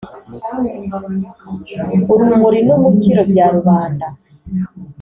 Urumuri n'umukiro bya rubanda.